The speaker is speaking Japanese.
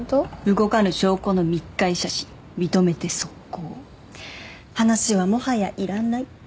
動かぬ証拠の密会写真認めて即行話はもはやいらない